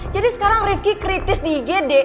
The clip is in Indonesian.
jadi sekarang rifki kritis di igd